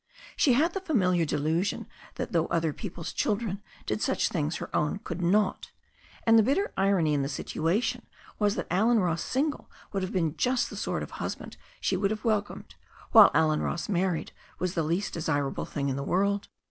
She had the familiar delusion that though other peo ple's children did such things her own could not. And the bitter irony in the situation was that Allen Ross single would have been just the sort of husband she would have welcomed, while Allen Ross married was the least desirable thing in the world.